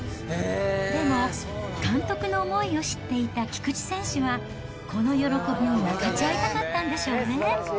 でも、監督の思いを知っていた菊池選手は、この喜びを分かち合いたかったんでしょうね。